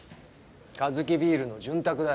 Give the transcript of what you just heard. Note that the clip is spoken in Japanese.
カヅキビールの「潤沢」だよ。